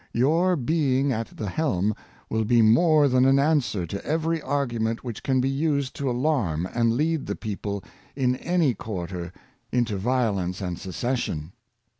Your being at the helm will be more thari an answer to every argument which can be used to alarm and lead the people in any quarter into violence and secession.